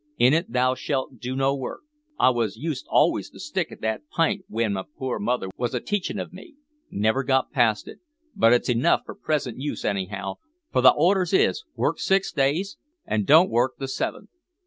In it thou shalt do no work.' I wos used always to stick at that pint w'en my poor mother was a teachin' of me. Never got past it. But it's enough for present use anyhow, for the orders is, work six days an' don't work the seventh.